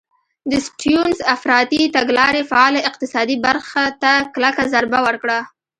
د سټیونز افراطي تګلارې فعاله اقتصادي برخه ته کلکه ضربه ورکړه.